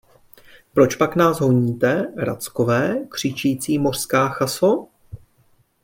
Pročpak nás honíte, rackové, křičící mořská chaso?